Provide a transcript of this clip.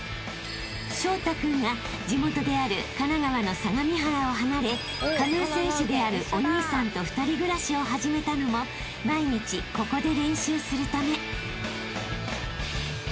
［彰太君が地元である神奈川の相模原を離れカヌー選手であるお兄さんと２人暮らしを始めたのも毎日ここで練習するため］